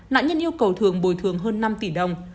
nạn nhân yêu cầu thường bồi thường hơn năm tỷ đồng